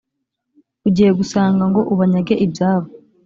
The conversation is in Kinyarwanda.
ugiye gusanga ngo ubanyage ibyabo,